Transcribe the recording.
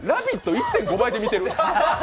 １．５倍で見てる？